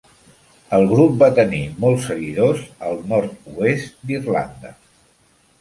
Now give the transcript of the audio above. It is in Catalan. El grup va tenir molts seguidors al nord-oest d'Irlanda.